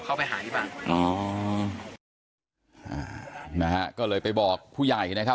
เข้าไปหานี่บ้างอ๋ออ่านะฮะก็เลยไปบอกผู้ใหญ่นะครับ